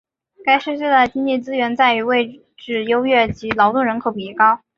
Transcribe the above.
该市最大的经济资源在于位置优越及劳动人口比例高。